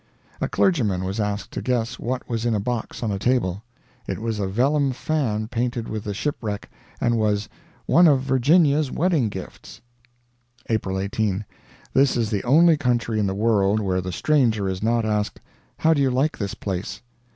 A clergyman was asked to guess what was in a box on a table. It was a vellum fan painted with the shipwreck, and was "one of Virginia's wedding gifts." April 18. This is the only country in the world where the stranger is not asked "How do you like this place?"